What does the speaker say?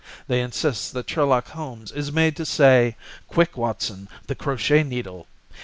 They insist that Sherlock Holmes is made to say, "Quick, Watson, the crochet needle!"